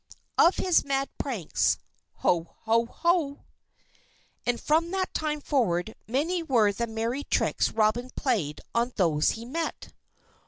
OF HIS MAD PRANKS HO! HO! HO! And from that time forward many were the merry tricks Robin played on those he met.